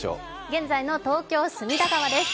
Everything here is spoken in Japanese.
現在の東京・隅田川です。